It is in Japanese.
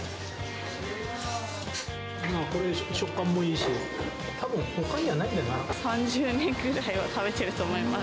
これ、食感もいいし、たぶん３０年ぐらいは食べてると思います。